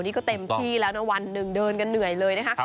นี่ก็เต็มที่แล้วนะวันหนึ่งเดินกันเหนื่อยเลยนะคะ